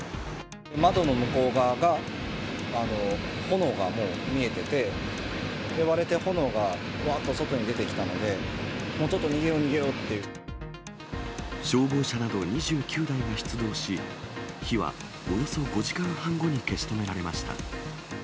窓の向こう側が炎がもう見えてて、割れて、炎がばっと外に出てきたので、ちょっと逃げよう、消防車など２９台が出動し、火はおよそ５時間半後に消し止められました。